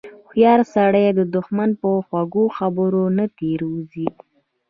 هوښیار سړی د دښمن په خوږو خبرو نه تیر وځي.